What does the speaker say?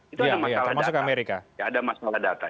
itu ada masalah data ada masalah data